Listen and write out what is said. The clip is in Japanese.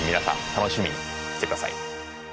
楽しみにしてください